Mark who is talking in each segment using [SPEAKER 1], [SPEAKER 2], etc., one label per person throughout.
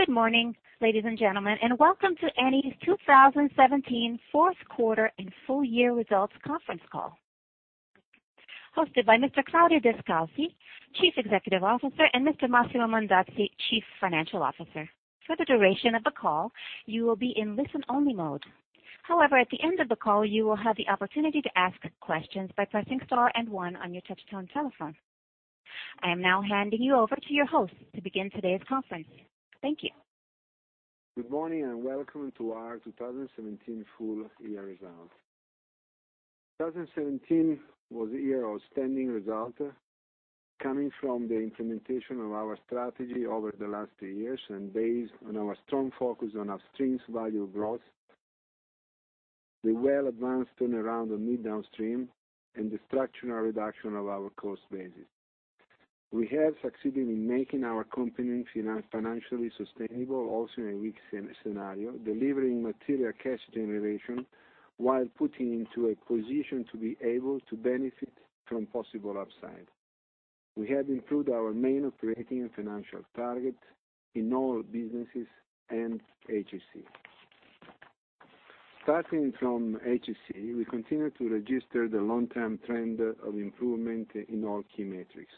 [SPEAKER 1] Good morning, ladies and gentlemen, and welcome to Eni's 2017 fourth quarter and full year results conference call, hosted by Mr. Claudio Descalzi, Chief Executive Officer, and Mr. Massimo Mondazzi, Chief Financial Officer. For the duration of the call, you will be in listen-only mode. However, at the end of the call, you will have the opportunity to ask questions by pressing star and one on your touch-tone telephone. I am now handing you over to your host to begin today's conference. Thank you.
[SPEAKER 2] Good morning, welcome to our 2017 full-year results. 2017 was a year of outstanding results, coming from the implementation of our strategy over the last two years, based on our strong focus on Upstream's value growth, the well-advanced turnaround of Midstream, and the structural reduction of our cost base. We have succeeded in making our company financially sustainable, also in a weak scenario, delivering material cash generation while putting into a position to be able to benefit from possible upside. We have improved our main operating and financial targets in all businesses and HSE. Starting from HSE, we continue to register the long-term trend of improvement in all key metrics.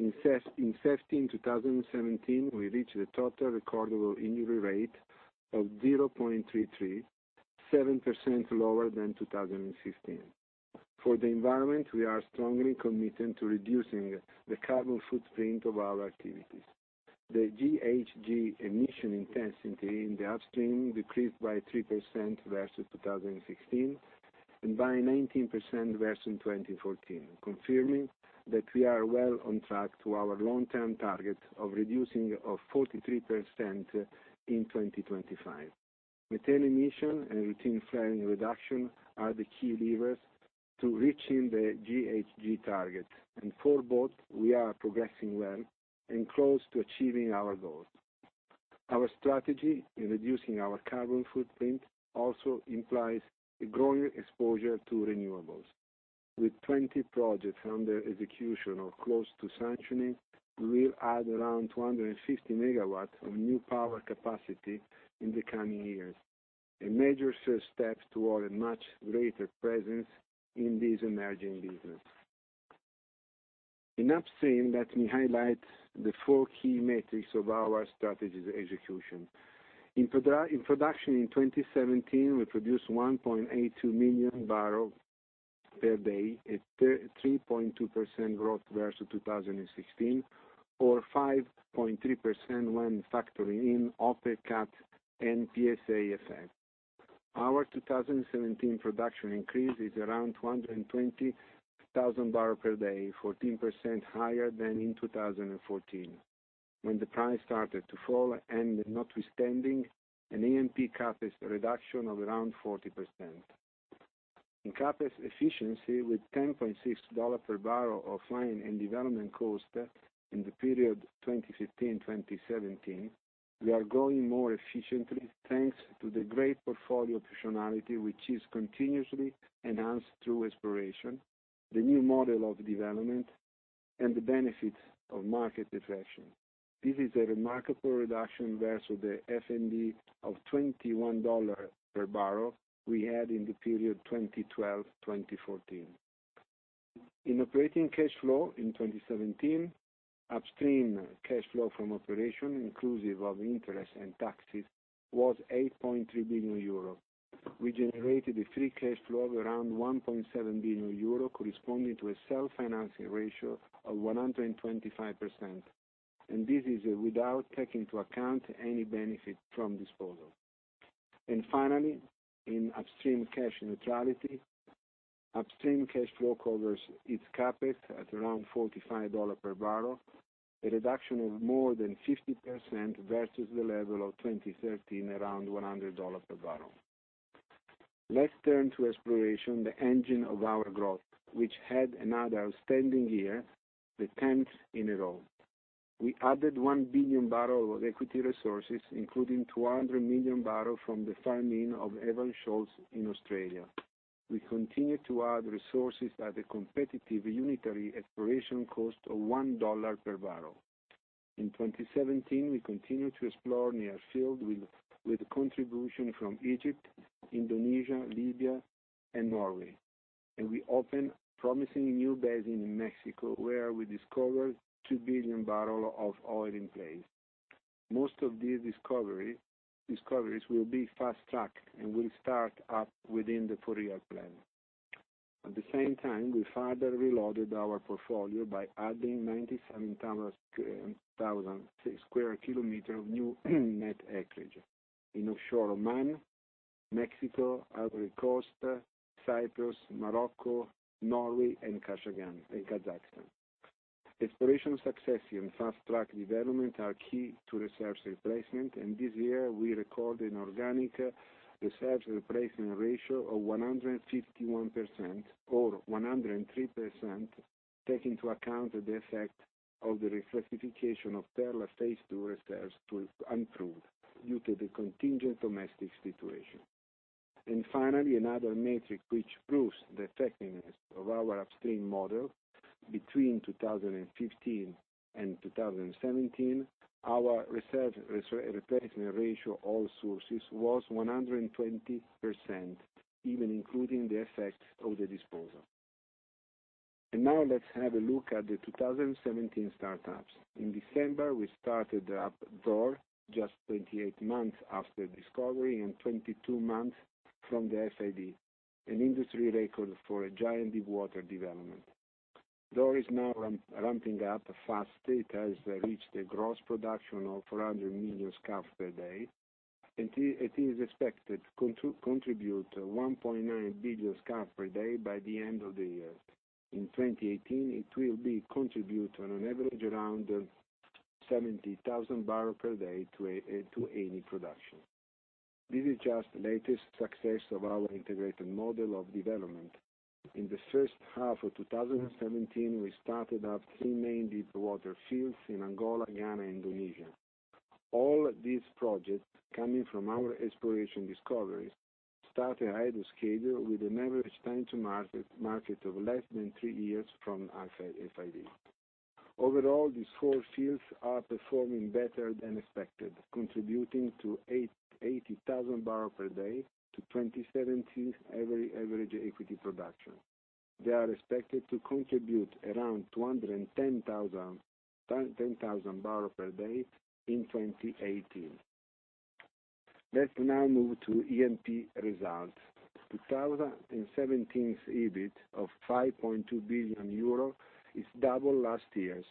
[SPEAKER 2] In safety in 2017, we reached a total recordable injury rate of 0.33, 7% lower than 2015. For the environment, we are strongly committed to reducing the carbon footprint of our activities. The GHG emission intensity in the Upstream decreased by 3% versus 2016, by 19% versus 2014, confirming that we are well on track to our long-term target of reducing of 43% in 2025. Methane emission and routine flaring reduction are the key levers to reaching the GHG target, for both, we are progressing well and close to achieving our goals. Our strategy in reducing our carbon footprint also implies a growing exposure to renewables. With 20 projects under execution or close to sanctioning, we will add around 250 MW of new power capacity in the coming years, a major first step toward a much greater presence in this emerging business. In Upstream, let me highlight the four key metrics of our strategy's execution. In production in 2017, we produced 1.82 million barrels per day, a 3.2% growth versus 2016, or 5.3% when factoring in OPEC cut and PSA effect. Our 2017 production increase is around 220,000 barrels per day, 14% higher than in 2014 when the price started to fall, notwithstanding an E&P CapEx reduction of around 40%. In CapEx efficiency, with $10.6 per barrel of finding and development cost in the period 2015 to 2017, we are growing more efficiently thanks to the great portfolio positionality, which is continuously enhanced through exploration, the new model of development, and the benefits of market deflation. This is a remarkable reduction versus the F&D of $21 per barrel we had in the period 2012 to 2014. In operating cash flow in 2017, Upstream cash flow from operation, inclusive of interest and taxes, was 8.3 billion euro. We generated a free cash flow of around 1.7 billion euro, corresponding to a self-financing ratio of 125%. This is without taking into account any benefit from disposal. Finally, in Upstream cash neutrality, Upstream cash flow covers its CapEx at around $45 per barrel, a reduction of more than 50% versus the level of 2013, around $100 per barrel. Let's turn to exploration, the engine of our growth, which had another outstanding year, the 10th in a row. We added 1 billion barrels of equity resources, including 200 million barrels from the farming of Evans Shoal in Australia. We continue to add resources at a competitive unitary exploration cost of $1 per barrel. In 2017, we continued to explore near field, with contribution from Egypt, Indonesia, Libya, and Norway. We opened a promising new basin in Mexico, where we discovered 2 billion barrels of oil in place. Most of these discoveries will be fast-tracked, and will start up within the four-year plan. At the same time, we further reloaded our portfolio by adding 97,000 square kilometers of new net acreage in offshore Oman, Mexico, Ivory Coast, Cyprus, Morocco, Norway, and Kashagan in Kazakhstan. Exploration success and fast-track development are key to reserves replacement, and this year we recorded an organic reserves replacement ratio of 151%, or 103% taking into account the effect of the reclassification of Coral Phase 2 reserves to unproved due to the contingent domestic situation. Finally, another metric which proves the effectiveness of our upstream model, between 2015 and 2017, our reserve replacement ratio all sources was 120%, even including the effects of the disposal. Now let's have a look at the 2017 startups. In December, we started up Zohr, just 28 months after discovery and 22 months from the FID, an industry record for a giant deep water development. Zohr is now ramping up fast. It has reached a gross production of 400 million scf per day, and it is expected to contribute 1.9 billion scf per day by the end of the year. In 2018, it will be contribute on an average around 70,000 barrel per day to Eni production. This is just latest success of our integrated model of development. In the first half of 2017, we started up three main deep water fields in Angola, Ghana, Indonesia. All these projects coming from our exploration discoveries, start ahead of schedule with an average time to market of less than three years from FID. Overall, these four fields are performing better than expected, contributing to 80,000 barrel per day to 2017 average equity production. They are expected to contribute around 210,000 barrel per day in 2018. Let's now move to E&P results. 2017's EBIT of 5.2 billion euro is double last year's.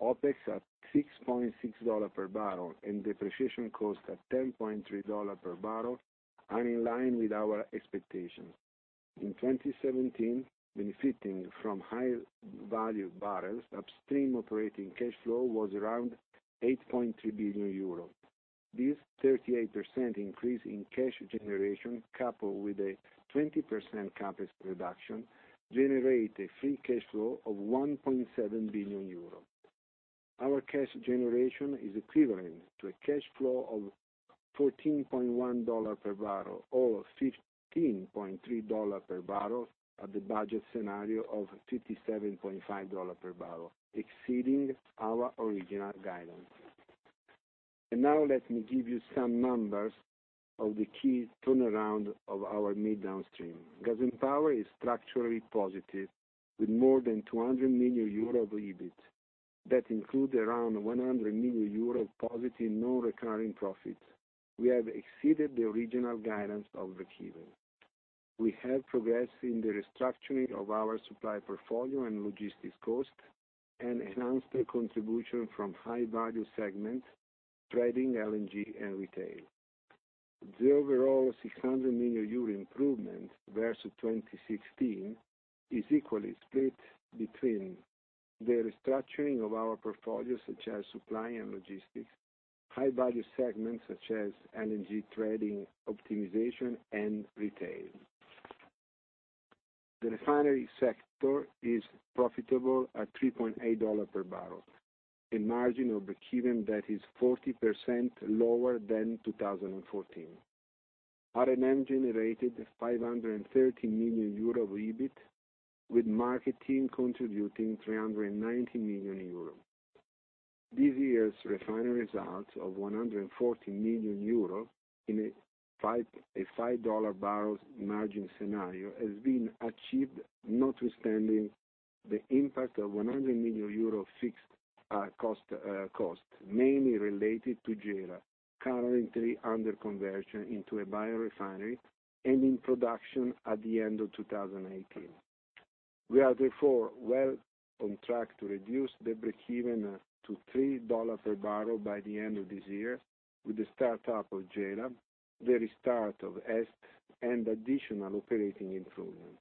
[SPEAKER 2] OPEX at $6.6 per barrel, and depreciation cost at $10.3 per barrel are in line with our expectations. In 2017, benefiting from higher value barrels, upstream operating cash flow was around 8.3 billion euros. This 38% increase in cash generation, coupled with a 20% CapEx reduction, generate a free cash flow of 1.7 billion euro. Our cash generation is equivalent to a cash flow of $14.1 per barrel or $15.3 per barrel at the budget scenario of $57.50 per barrel, exceeding our original guidance. Now let me give you some numbers of the key turnaround of our Mid downstream. Gas & Power is structurally positive with more than 200 million euro of EBIT. That includes around 100 million euro of positive non-recurring profit. We have exceeded the original guidance of breakeven. We have progressed in the restructuring of our supply portfolio and logistics costs, and enhanced the contribution from high value segments, trading, LNG, and retail. The overall 600 million euro improvement versus 2016 is equally split between the restructuring of our portfolio, such as supply and logistics, high value segments such as LNG trading optimization and retail. The refinery sector is profitable at $3.8 per barrel, a margin of breakeven that is 40% lower than 2014. R&M generated 530 million euro of EBIT, with marketing contributing 390 million euro. This year's refinery results of 140 million euro in a $5 per barrel margin scenario has been achieved notwithstanding the impact of 100 million euro fixed costs, mainly related to Gela, currently under conversion into a biorefinery, and in production at the end of 2018. We are therefore well on track to reduce the breakeven to $3 per barrel by the end of this year with the startup of Gela, the restart of EST, and additional operating improvements.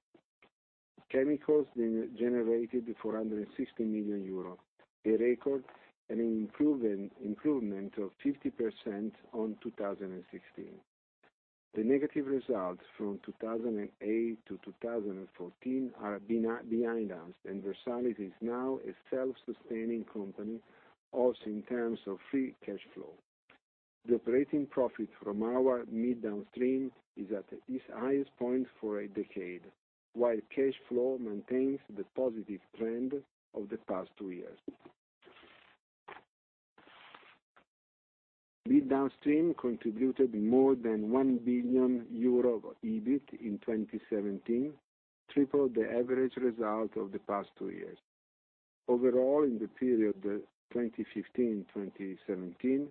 [SPEAKER 2] Chemicals generated 460 million euros, a record, and an improvement of 50% on 2016. The negative results from 2008 to 2014 are behind us, and Versalis is now a self-sustaining company also in terms of free cash flow. The operating profit from our mid downstream is at its highest point for a decade, while cash flow maintains the positive trend of the past two years. Mid downstream contributed more than 1 billion euro of EBIT in 2017, triple the average result of the past two years. Overall, in the period 2015-2017,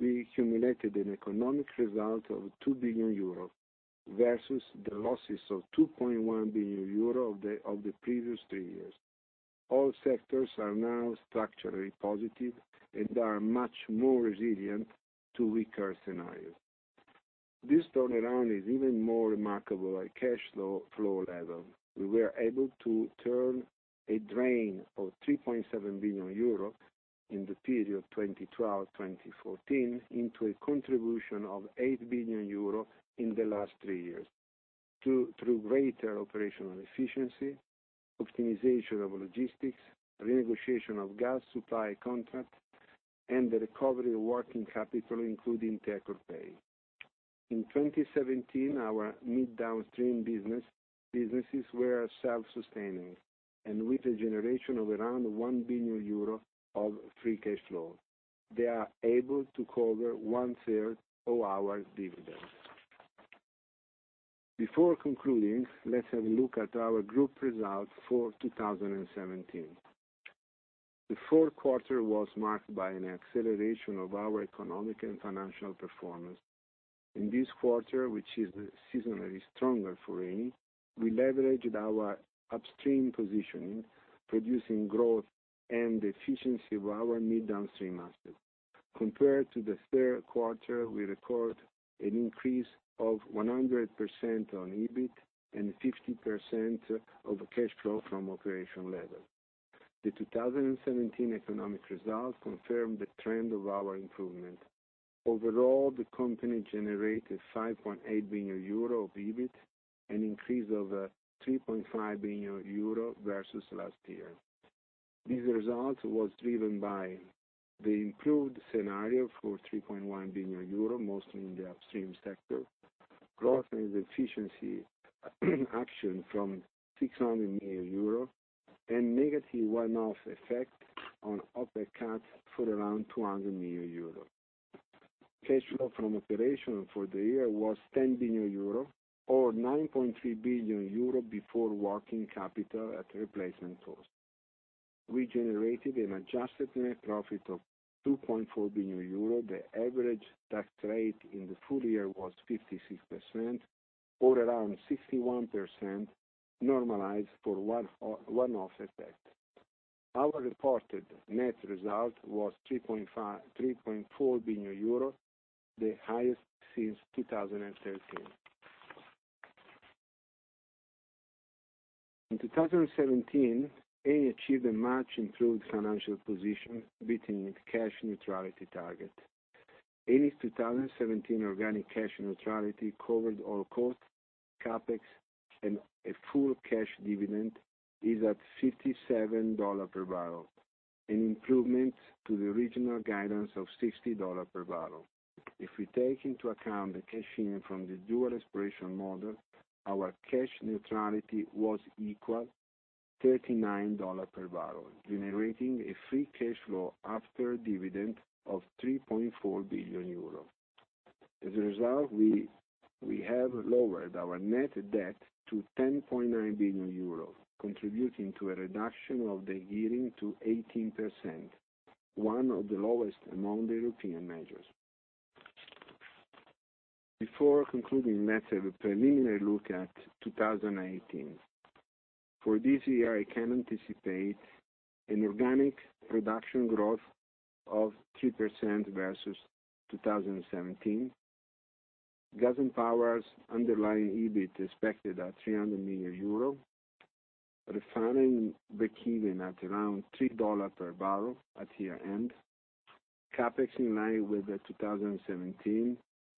[SPEAKER 2] we accumulated an economic result of 2 billion euro versus the losses of 2.1 billion euro of the previous three years. All sectors are now structurally positive and are much more resilient to weaker scenarios. This turnaround is even more remarkable at cash flow level. We were able to turn a drain of 3.7 billion euro in the period 2012-2014 into a contribution of 8 billion euro in the last three years. Through greater operational efficiency, optimization of logistics, renegotiation of gas supply contracts, and the recovery of working capital, including take or pay. In 2017, our mid downstream businesses were self-sustaining, and with a generation of around 1 billion euro of free cash flow, they are able to cover one third of our dividends. Before concluding, let's have a look at our group results for 2017. The fourth quarter was marked by an acceleration of our economic and financial performance. In this quarter, which is seasonally stronger for Eni, we leveraged our upstream positioning, producing growth and efficiency of our mid downstream assets. Compared to the third quarter, we record an increase of 100% on EBIT and 50% of cash flow from operation level. The 2017 economic results confirmed the trend of our improvement. Overall, the company generated 5.8 billion euro of EBIT, an increase of 3.5 billion euro versus last year. This result was driven by the improved scenario for 3.1 billion euro, mostly in the upstream sector, growth and efficiency action from 600 million euro, and negative one-off effect on OPEC for around 200 million euro. Cash flow from operation for the year was 10 billion euro, or 9.3 billion euro before working capital at replacement cost. We generated an adjusted net profit of 2.4 billion euro. The average tax rate in the full year was 56%, or around 61% normalized for one-off effect. Our reported net result was 3.4 billion euros, the highest since 2013. In 2017, Eni achieved a much-improved financial position, beating its cash neutrality target. Eni's 2017 organic cash neutrality covered all costs, CapEx, and a full cash dividend is at $57 per barrel, an improvement to the original guidance of $60 per barrel. If we take into account the cash in from the dual exploration model, our cash neutrality was equal $39 per barrel, generating a free cash flow after dividend of 3.4 billion euro. As a result, we have lowered our net debt to 10.9 billion euros, contributing to a reduction of the gearing to 18%, one of the lowest among the European majors. Before concluding, let's have a preliminary look at 2018. For this year, I can anticipate an organic production growth of 3% versus 2017. Gas & Power's underlying EBIT expected at 300 million euro. Refining breakeven at around $3 per barrel at year-end. CapEx in line with the 2017,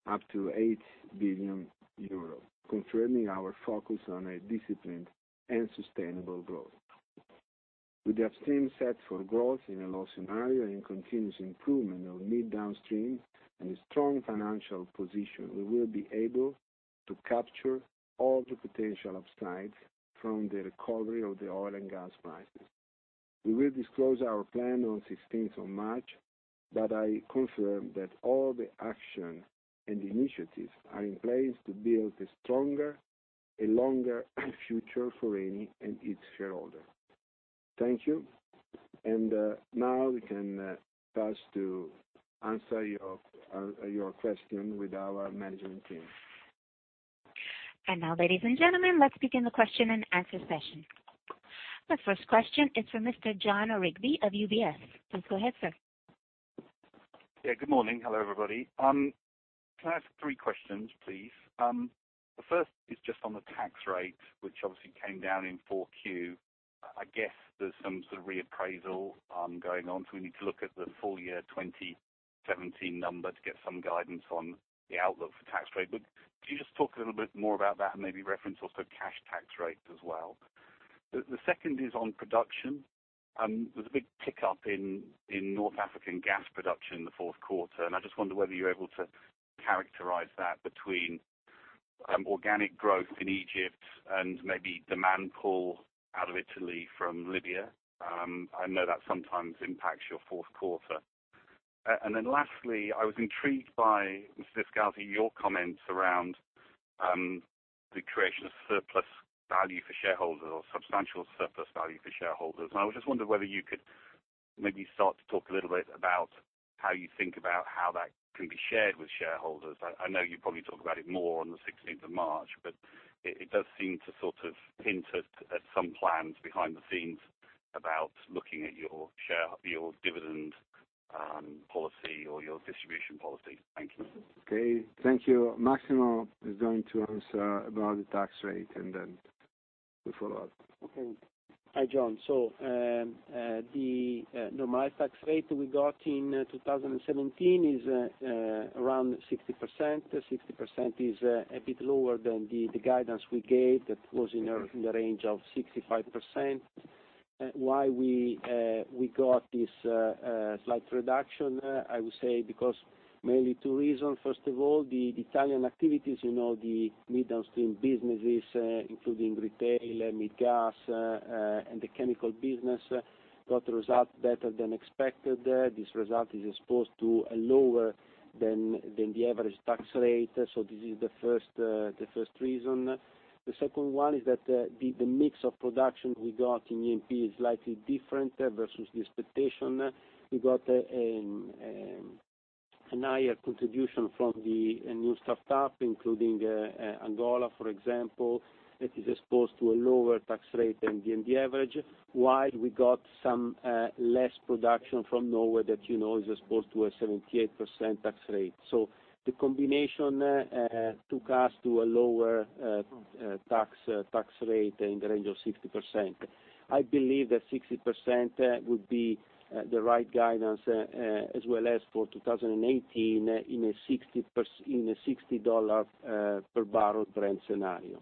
[SPEAKER 2] up to 8 billion euro, confirming our focus on a disciplined and sustainable growth. With the upstream set for growth in a low scenario and continuous improvement of mid downstream and a strong financial position, we will be able to capture all the potential upsides from the recovery of the oil and gas prices. We will disclose our plan on 16th of March, I confirm that all the action and initiatives are in place to build a stronger, a longer future for Eni and its shareholders. Thank you. Now we can pass to answer your question with our management team.
[SPEAKER 1] Now, ladies and gentlemen, let's begin the question and answer session. The first question is from Mr. Jon Rigby of UBS. Please go ahead, sir.
[SPEAKER 3] Yeah, good morning. Hello, everybody. Can I ask three questions, please? The first is just on the tax rate, which obviously came down in Q4. I guess there's some sort of reappraisal going on, so we need to look at the full year 2017 number to get some guidance on the outlook for tax rate. Could you just talk a little bit more about that and maybe reference also cash tax rates as well? The second is on production. There was a big pickup in North African gas production in the fourth quarter, I just wonder whether you're able to characterize that between organic growth in Egypt and maybe demand pull out of Italy from Libya. I know that sometimes impacts your fourth quarter. Lastly, I was intrigued by, Mr. Descalzi, your comments around the creation of surplus value for shareholders or substantial surplus value for shareholders. I was just wondering whether you could maybe start to talk a little bit about how you think about how that can be shared with shareholders. I know you probably talk about it more on the 16th of March, but it does seem to sort of hint at some plans behind the scenes about looking at your dividend policy or your distribution policy. Thank you.
[SPEAKER 2] Thank you. Massimo is going to answer about the tax rate. The follow-up.
[SPEAKER 4] Hi, Jon. The normalized tax rate we got in 2017 is around 60%. 60% is a bit lower than the guidance we gave that was in the range of 65%. Why we got this slight reduction, I would say because mainly two reasons. First of all, the Italian activities, the midstream businesses, including retail, mid-gas, and the chemical business, got results better than expected. This result is exposed to lower than the average tax rate. This is the first reason. The second one is that the mix of production we got in E&P is slightly different versus the expectation. We got a higher contribution from the new startup, including Angola, for example, that is exposed to a lower tax rate than the average. While we got some less production from Norway that is exposed to a 78% tax rate. The combination took us to a lower tax rate in the range of 60%. I believe that 60% would be the right guidance as well as for 2018 in a $60 per barrel Brent scenario.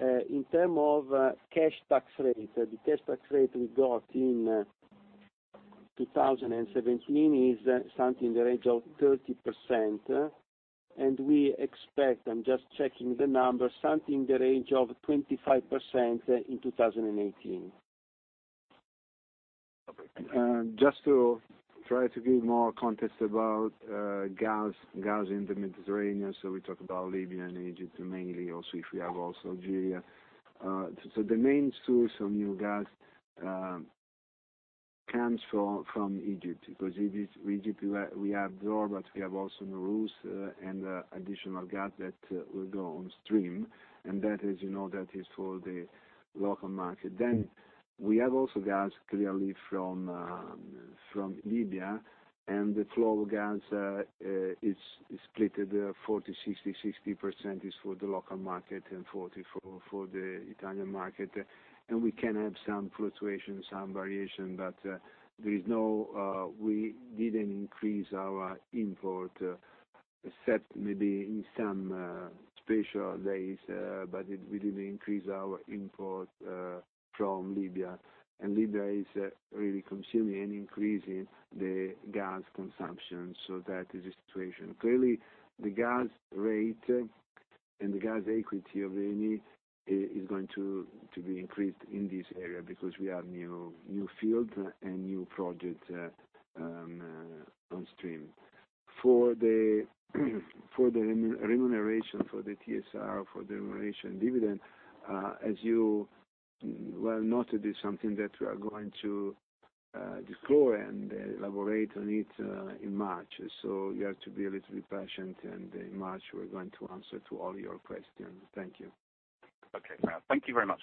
[SPEAKER 4] In terms of cash tax rate, the cash tax rate we got in 2017 is something in the range of 30%. We expect, I'm just checking the numbers, something in the range of 25% in 2018.
[SPEAKER 2] Okay, thank you.
[SPEAKER 4] Just to try to give more context about gas in the Mediterranean. We talk about Libya and Egypt mainly. If we have also Algeria. The main source of new gas comes from Egypt, because Egypt we have Zohr. We have also Nooros and additional gas that will go on stream. That is for the local market. We have also gas clearly from Libya and the flow of gas is split 40/60. 60% is for the local market and 40% for the Italian market. We can have some fluctuation, some variation. We didn't increase our import, except maybe in some special days. We didn't increase our import from Libya. Libya is really consuming and increasing the gas consumption. That is the situation. Clearly, the gas rate and the gas equity of Eni is going to be increased in this area because we have new field and new project on stream. For the remuneration, for the TSR, for the remuneration dividend, as you well noted, is something that we are going to disclose and elaborate on it in March. You have to be a little bit patient. In March, we're going to answer to all your questions. Thank you.
[SPEAKER 2] Okay, thank you very much.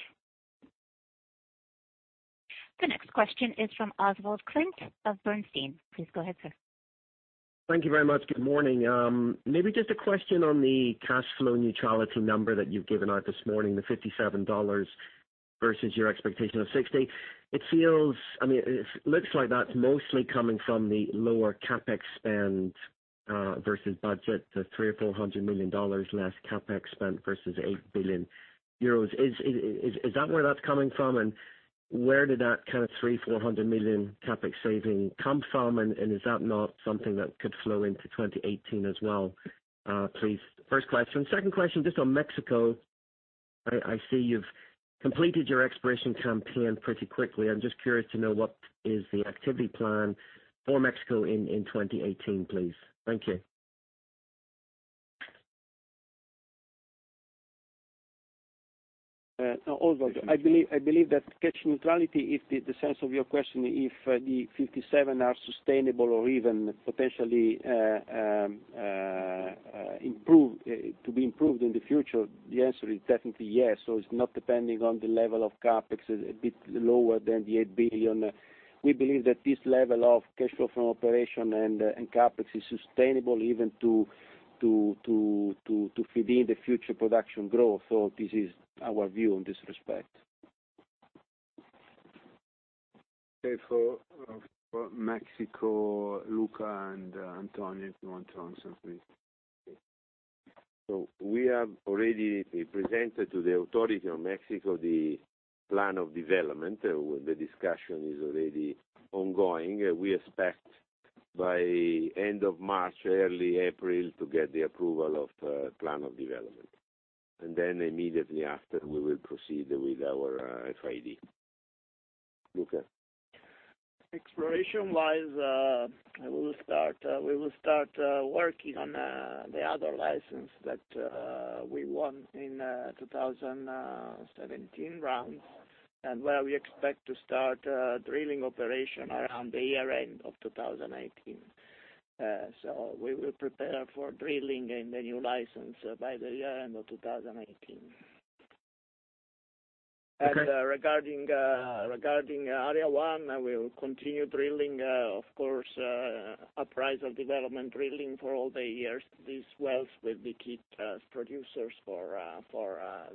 [SPEAKER 1] The next question is from Oswald Clint of Bernstein. Please go ahead, sir.
[SPEAKER 5] Thank you very much. Good morning. Maybe just a question on the cash flow neutrality number that you've given out this morning, the EUR 57 versus your expectation of 60. It looks like that's mostly coming from the lower CapEx spend versus budget, the 300 million or EUR 400 million less CapEx spend versus 8 billion euros. Is that where that's coming from? Where did that kind of 300 million, 400 million CapEx saving come from? Is that not something that could flow into 2018 as well? Please, first question. Second question, just on Mexico. I see you've completed your exploration campaign pretty quickly. I'm just curious to know what is the activity plan for Mexico in 2018, please? Thank you.
[SPEAKER 4] Oswald, I believe that cash neutrality, if the sense of your question, if the 57 are sustainable or even potentially to be improved in the future, the answer is definitely yes. It's not depending on the level of CapEx, a bit lower than the 8 billion. We believe that this level of cash flow from operation and CapEx is sustainable even to feed in the future production growth. This is our view in this respect.
[SPEAKER 2] Okay. For Mexico, Luca and Antonio, if you want to answer, please.
[SPEAKER 6] We have already presented to the authority of Mexico the plan of development. The discussion is already ongoing. We expect by end of March, early April, to get the approval of plan of development. Immediately after, we will proceed with our FID. Luca? Exploration-wise, we will start working on the other license that we won in 2017 rounds, where we expect to start drilling operation around the year-end of 2018. We will prepare for drilling in the new license by the year-end of 2018. Okay. Regarding Area 1, we will continue drilling, of course. Uprise of development drilling for all the years. These wells will be key producers for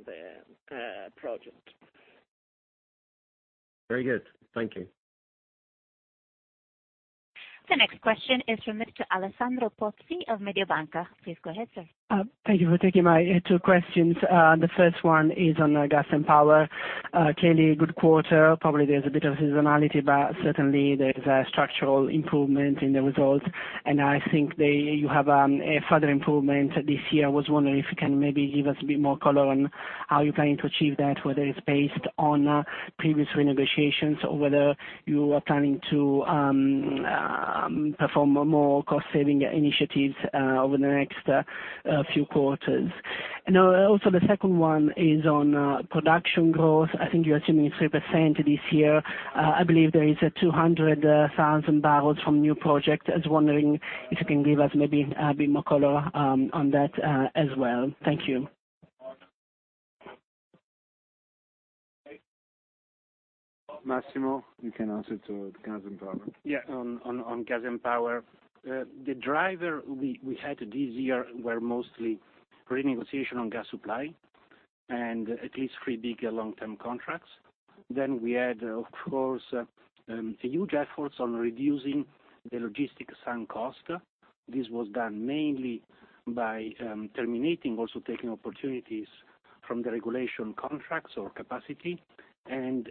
[SPEAKER 6] the project.
[SPEAKER 5] Very good. Thank you.
[SPEAKER 1] The next question is from Mr. Alessandro Pozzi of Mediobanca. Please go ahead, sir.
[SPEAKER 7] Thank you for taking my two questions. The first one is on Gas & Power. Clearly a good quarter. Probably there's a bit of seasonality, but certainly there's a structural improvement in the results. I think you have a further improvement this year. I was wondering if you can maybe give us a bit more color on how you're planning to achieve that, whether it's based on previous renegotiations or whether you are planning to perform more cost-saving initiatives over the next few quarters. Also, the second one is on production growth. I think you're assuming 3% this year. I believe there is 200,000 barrels from new projects. I was wondering if you can give us maybe a bit more color on that as well. Thank you.
[SPEAKER 2] Massimo, you can answer to the Gas & Power.
[SPEAKER 4] Yeah, on Gas & Power. The driver we had this year were mostly renegotiation on gas supply and at least three big long-term contracts. We had, of course, huge efforts on reducing the logistics and cost. This was done mainly by terminating, also taking opportunities from the regulation contracts or capacity, and,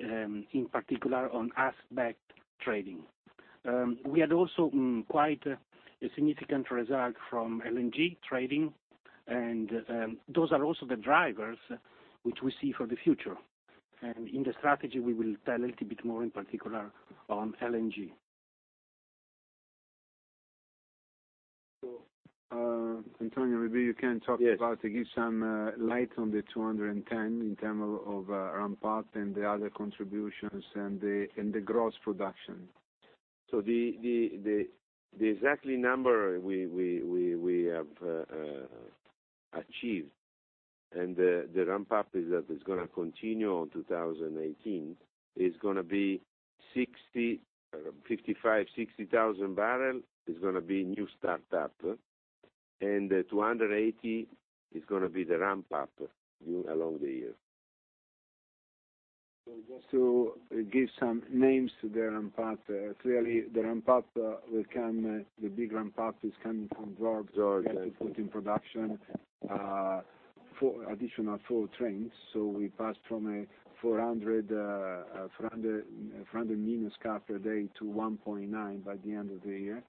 [SPEAKER 4] in particular, on aspect trading. We had also quite a significant result from LNG trading. Those are also the drivers which we see for the future. In the strategy, we will tell a little bit more in particular on LNG.
[SPEAKER 2] Antonio, maybe you can talk about.
[SPEAKER 6] Yes
[SPEAKER 2] to give some light on the 210 in terms of ramp up and the other contributions and the gross production.
[SPEAKER 6] The exact number we have achieved, and the ramp up is that it's going to continue on 2018. It's going to be 55,000, 60,000 barrels is going to be new startup. 280 is going to be the ramp up along the year.
[SPEAKER 2] Just to give some names to the ramp up. Clearly, the big ramp up is coming from Zohr.
[SPEAKER 6] Zohr, yes
[SPEAKER 2] We put in production additional four trains. We passed from a 400 MMscf per day to 1.9 by the end of the year.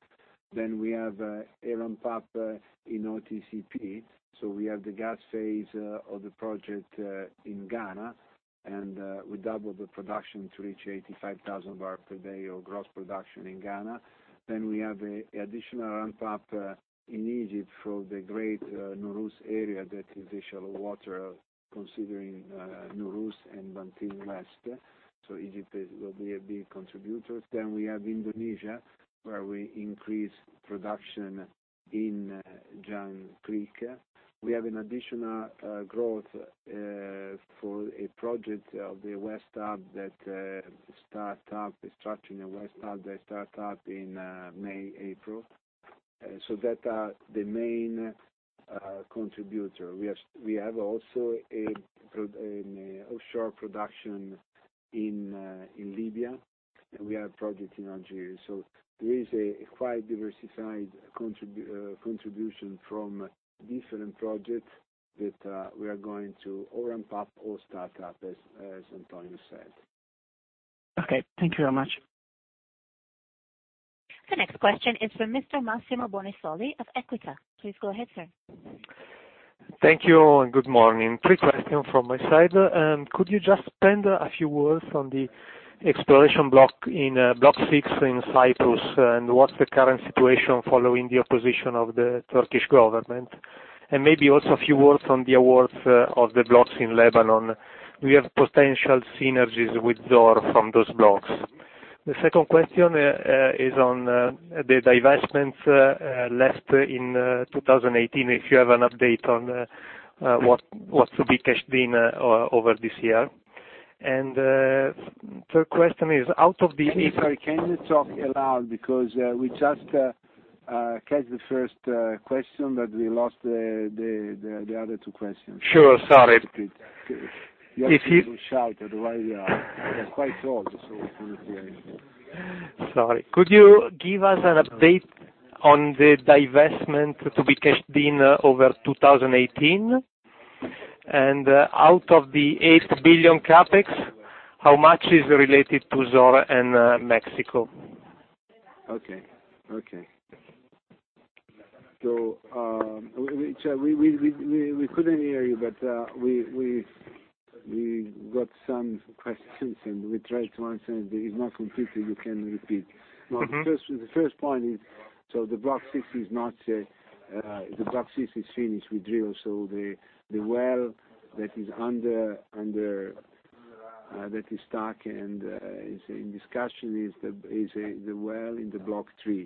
[SPEAKER 2] We have a ramp up in OCTP. We have the gas phase of the project in Ghana, and we double the production to reach 85,000 barrel per day of gross production in Ghana. We have additional ramp up in Egypt for the Great Nooros Area that is the shallow water considering Nooros and Manting West. Egypt will be a big contributor. We have Indonesia, where we increase production in Jangkrik. We have an additional growth for a project of the West Hub, the structure in the West Hub that start up in May, April. That are the main contributor. We have also an offshore production in Libya, and we have project in Algeria. There is a quite diversified contribution from different projects that we are going to or ramp up or start up, as Antonio said.
[SPEAKER 7] Okay. Thank you very much.
[SPEAKER 1] The next question is from Mr. Massimo Bonisoli of Equita. Please go ahead, sir.
[SPEAKER 8] Thank you. Good morning. Three questions from my side. Could you just spend a few words on the exploration block in Block 6 in Cyprus and what's the current situation following the opposition of the Turkish government? Maybe also a few words on the awards of the blocks in Lebanon. Do you have potential synergies with Zohr from those blocks? The second question is on the divestment left in 2018, if you have an update on what to be cashed in over this year. Third question is out of the-
[SPEAKER 2] Sorry, can you talk aloud? We just caught the first question, but we lost the other two questions.
[SPEAKER 8] Sure. Sorry.
[SPEAKER 2] You have to shout, otherwise, it is quite soft, so it's difficult to hear you.
[SPEAKER 8] Sorry. Could you give us an update on the divestment to be cashed in over 2018? Out of the 8 billion CapEx, how much is related to Zohr and Mexico?
[SPEAKER 2] Okay. We couldn't hear you, but we got some questions, and we tried to understand. If not completely, you can repeat. No, the first point is, the Block 6 is finished with drill. The well that is stuck and is in discussion is the well in the Block 3.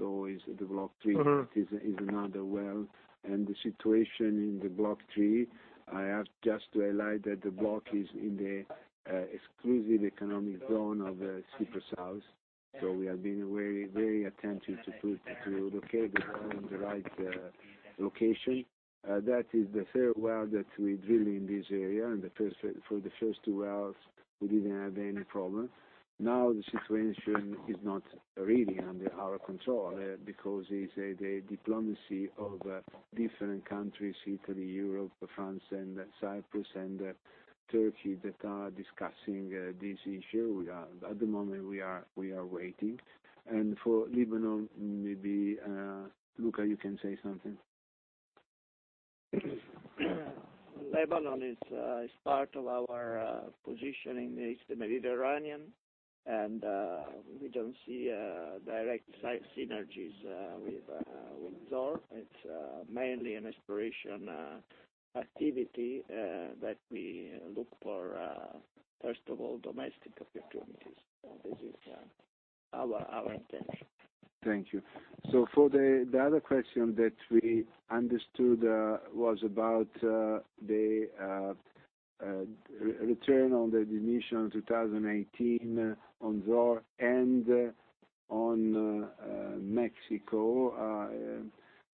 [SPEAKER 2] It is another well. The situation in the Block 3, I have just to highlight that the block is in the exclusive economic zone of Cyprus South. We have been very attentive to locate the well in the right location. That is the third well that we drill in this area. For the first two wells, we didn't have any problem. Now the situation is not really under our control, because it's the diplomacy of different countries, Italy, Europe, France, and Cyprus and Turkey, that are discussing this issue. At the moment we are waiting. For Lebanon, maybe, Luca, you can say something.
[SPEAKER 6] Lebanon is part of our position in the Eastern Mediterranean, and we don't see direct synergies with Zohr. It's mainly an exploration activity that we look for, first of all, domestic opportunities. This is our intention.
[SPEAKER 2] Thank you. For the other question that we understood was about the return on the definition 2018 on Zohr and on Mexico.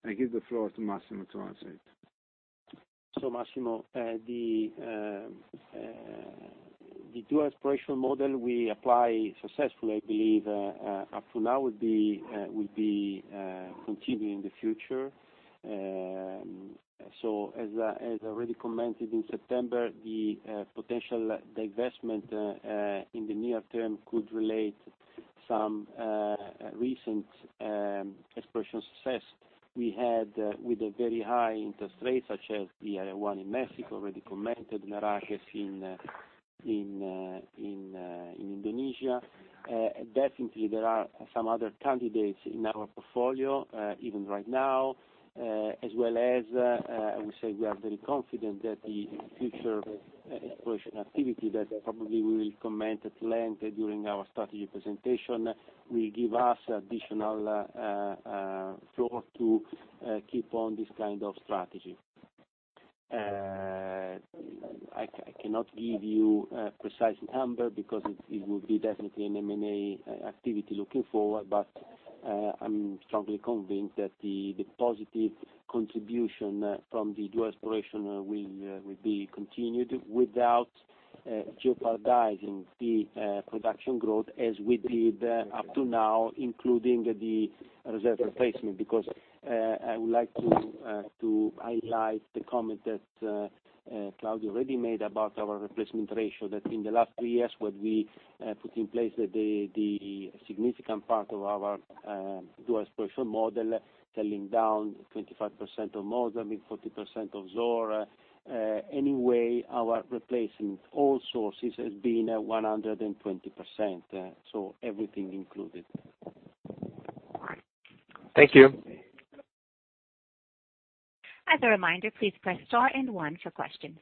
[SPEAKER 2] I give the floor to Massimo to answer it.
[SPEAKER 4] Massimo, the dual exploration model we apply successfully, I believe, up to now will be continuing in the future. As I already commented in September, the potential divestment in the near term could relate some recent exploration success we had with a very high interest rate, such as the one in Mexico already commented, Merakes in Indonesia. There are some other candidates in our portfolio, even right now, as well as we say we are very confident that the future exploration activity that probably we will comment at length during our strategy presentation, will give us additional floor to keep on this kind of strategy. I cannot give you a precise number because it will be definitely an M&A activity looking forward. I'm strongly convinced that the positive contribution from the dual exploration will be continued without jeopardizing the production growth as we did up to now, including the reserve replacement. I would like to highlight the comment that Claudio already made about our replacement ratio, that in the last three years, what we put in place the significant part of our dual exploration model, selling down 25% of Mubadala, I mean 40% of Zohr. Our replacing all sources has been 120%, everything included.
[SPEAKER 8] Thank you.
[SPEAKER 1] As a reminder, please press star and one for questions.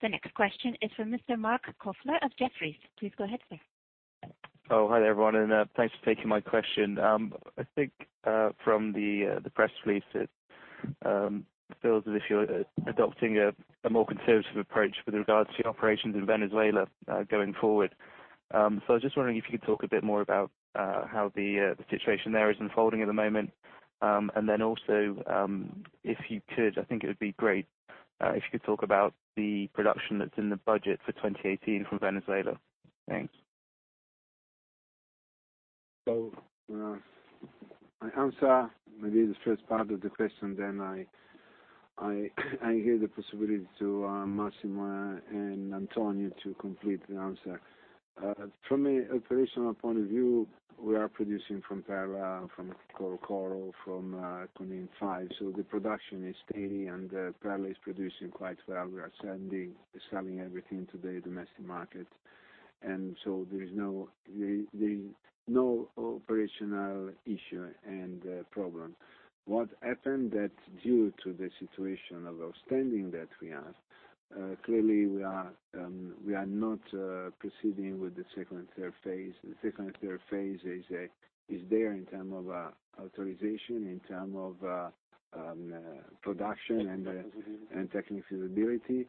[SPEAKER 1] The next question is from Mr. Marc Kofler of Jefferies. Please go ahead, sir.
[SPEAKER 9] Hi, everyone, thanks for taking my question. I think from the press release it feels as if you are adopting a more conservative approach with regards to your operations in Venezuela going forward. I was just wondering if you could talk a bit more about how the situation there is unfolding at the moment. Also, if you could, I think it would be great if you could talk about the production that is in the budget for 2018 from Venezuela. Thanks.
[SPEAKER 2] I answer maybe the first part of the question, then I give the possibility to Massimo and Antonio to complete the answer. From an operational point of view, we are producing from Perla, from Corocoro, from Junín-5. The production is steady and Perla is producing quite well. We are selling everything to the domestic market, there is no operational issue and problem. What happened that due to the situation of outstanding that we have, clearly we are not proceeding with the second and third phase. The second and third phase is there in term of authorization, in term of production and technical feasibility.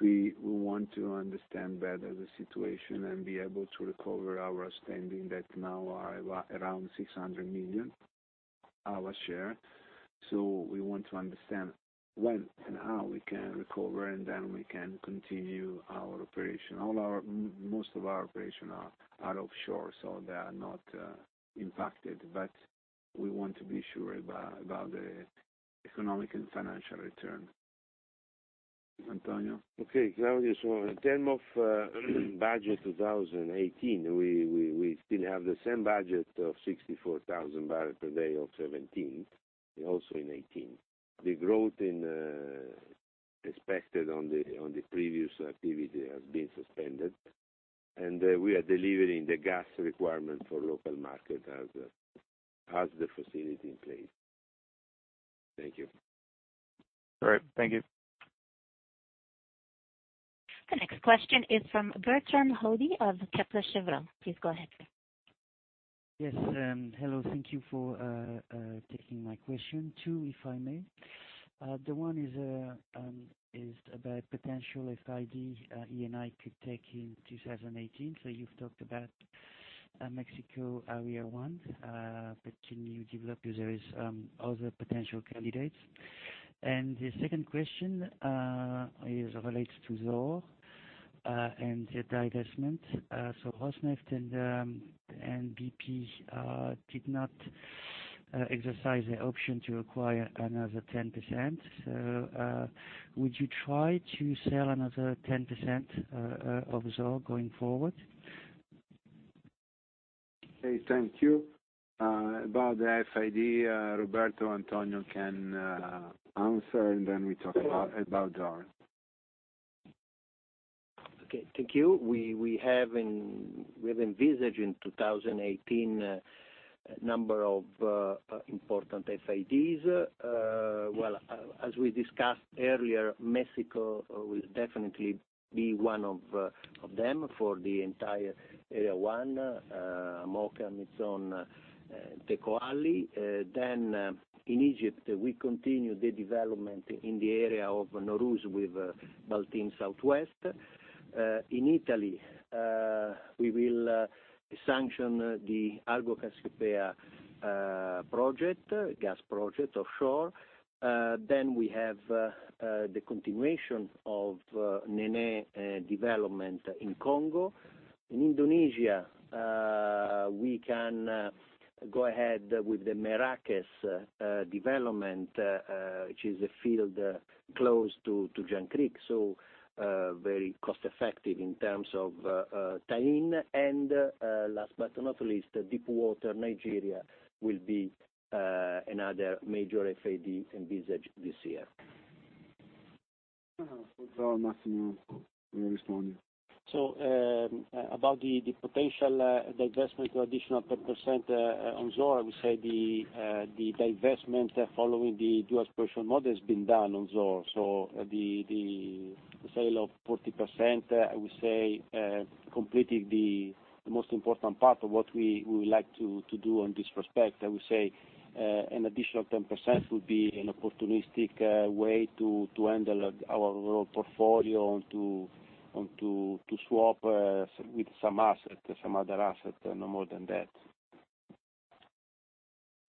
[SPEAKER 2] We want to understand better the situation and be able to recover our outstanding that now are around 600 million, our share. We want to understand when and how we can recover, then we can continue our operation. Most of our operation are offshore, they are not impacted. We want to be sure about the economic and financial return. Antonio?
[SPEAKER 6] Okay, Claudio. In term of budget 2018, we still have the same budget of 64,000 barrels per day of 2017, also in 2018. The growth expected on the previous activity has been suspended, we are delivering the gas requirement for local market as the facility in place. Thank you.
[SPEAKER 9] All right. Thank you.
[SPEAKER 1] The next question is from Bertrand Hodee of Kepler Cheuvreux. Please go ahead.
[SPEAKER 10] Yes. Hello. Thank you for taking my question. Two, if I may. The one is about potential FID Eni could take in 2018. You've talked about Mexico Area 1, which can you develop because there is other potential candidates. The second question is related to Zohr, and the divestment. Rosneft and BP did not exercise the option to acquire another 10%. Would you try to sell another 10% of Zohr going forward?
[SPEAKER 2] Okay, thank you. About the FID, Roberto Antonio can answer, and then we talk about Zohr.
[SPEAKER 6] Okay, thank you. We have envisaged in 2018 a number of important FIDs. Well, as we discussed earlier, Mexico will definitely be one of them for the entire Area 1, Amoca and its own Tecoalli. Then, in Egypt, we continue the development in the area of Nooros with North West. In Italy, we will sanction the Argo Cassiopea project, gas project offshore. Then we have the continuation of Nené development in Congo. In Indonesia, we can go ahead with the Merakes development, which is a field close to Jangkrik, so very cost effective in terms of tie-in. Last but not least, Deepwater, Nigeria will be another major FID envisaged this year.
[SPEAKER 2] For Zohr, Massimo will respond.
[SPEAKER 4] About the potential divestment of additional 10% on Zohr, I would say the divestment following the dual exploration model has been done on Zohr. The sale of 40%, I would say, completed the most important part of what we would like to do in this respect. I would say, an additional 10% would be an opportunistic way to handle our overall portfolio and to swap with some other asset, no more than that.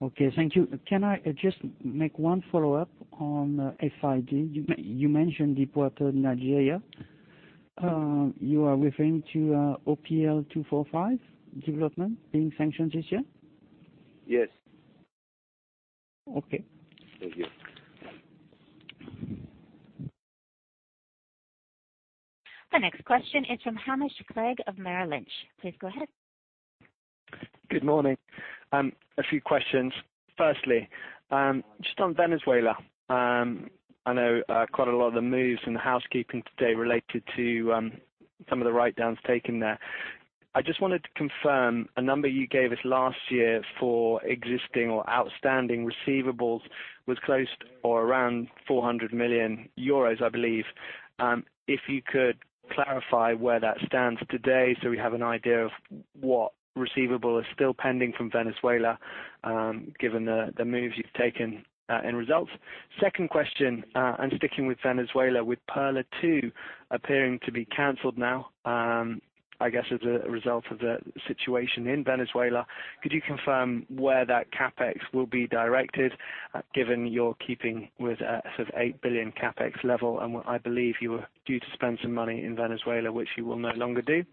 [SPEAKER 10] Okay, thank you. Can I just make one follow-up on FID? You mentioned Deepwater, Nigeria. You are referring to OPL 245 development being sanctioned this year?
[SPEAKER 2] Yes.
[SPEAKER 10] Okay.
[SPEAKER 2] Thank you.
[SPEAKER 1] The next question is from Hamish Clegg of Merrill Lynch. Please go ahead.
[SPEAKER 11] Good morning. A few questions. Firstly, just on Venezuela. I know quite a lot of the moves and the housekeeping today related to some of the write-downs taken there. I just wanted to confirm a number you gave us last year for existing or outstanding receivables was close to or around 400 million euros, I believe. If you could clarify where that stands today so we have an idea of what receivable is still pending from Venezuela, given the moves you've taken in results. Second question, sticking with Venezuela, with Perla Two appearing to be canceled now, I guess as a result of the situation in Venezuela, could you confirm where that CapEx will be directed, given you're keeping with a sort of 8 billion CapEx level, and what I believe you were due to spend some money in Venezuela, which you will no longer do.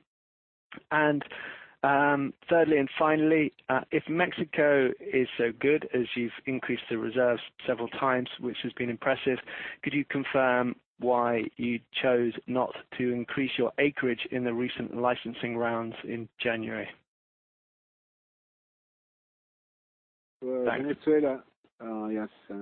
[SPEAKER 11] Thirdly, and finally, if Mexico is so good as you've increased the reserves several times, which has been impressive, could you confirm why you chose not to increase your acreage in the recent licensing rounds in January?
[SPEAKER 2] Well, Venezuela.
[SPEAKER 11] Thanks.
[SPEAKER 2] Yes.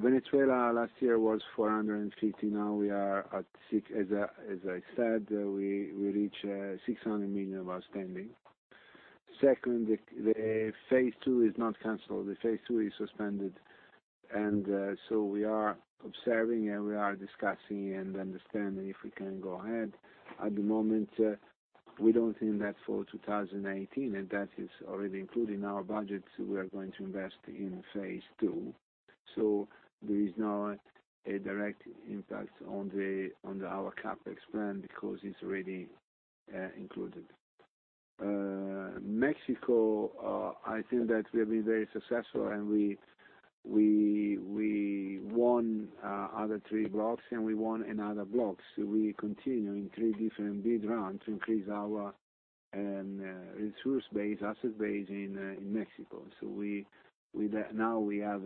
[SPEAKER 2] Venezuela last year was 450. Now we are at six. As I said, we reach 600 million outstanding. Second, the phase 2 is not canceled. The phase 2 is suspended. We are observing, and we are discussing and understanding if we can go ahead. At the moment, we don't think that's for 2018, and that is already included in our budget. We are going to invest in phase 2. There is not a direct impact on our CapEx plan because it's already included. Mexico, I think that we've been very successful, and we won other three blocks, and we won another blocks. We continue in three different bid rounds to increase our resource base, asset base in Mexico. Now we have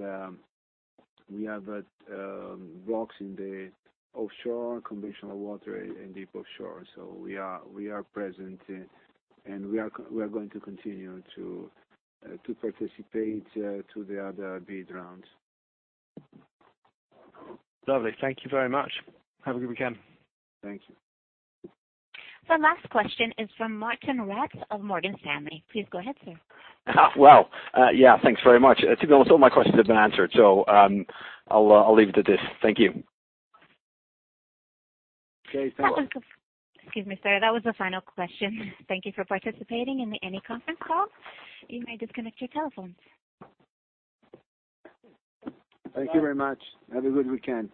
[SPEAKER 2] blocks in the offshore, conventional water and deep offshore. We are present, and we are going to continue to participate to the other bid rounds.
[SPEAKER 11] Lovely. Thank you very much. Have a good weekend.
[SPEAKER 2] Thank you.
[SPEAKER 1] The last question is from Martijn Rats of Morgan Stanley. Please go ahead, sir.
[SPEAKER 12] Well, yeah, thanks very much. To be honest, all my questions have been answered. I'll leave it at this. Thank you.
[SPEAKER 2] Okay, thank you.
[SPEAKER 1] Excuse me, sir. That was the final question. Thank you for participating in the Eni conference call. You may disconnect your telephones.
[SPEAKER 2] Thank you very much. Have a good weekend.